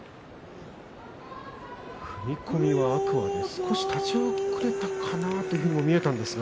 踏み込みは天空海少し立ち遅れたかなというふうに見えました。